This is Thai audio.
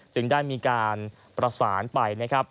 จึงได้มีการประสานไปนะครับ